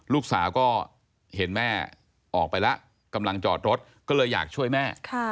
ลูกสาวก็เห็นแม่ออกไปแล้วกำลังจอดรถก็เลยอยากช่วยแม่